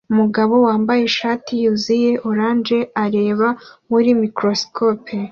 Umugabo wambaye ishati yuzuye orange ureba muri microscope